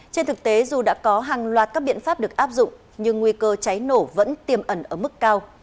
trên thực tế dù đã có hàng loạt các biện pháp được áp dụng nhưng nguy cơ cháy nổ vẫn tiềm ẩn ở mức cao